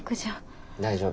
大丈夫。